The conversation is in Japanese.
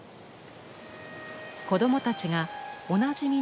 子どもたちがおなじみの浦島